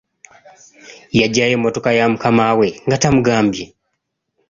Yaggyayo emmotoka ya mukama we nga tamugambye.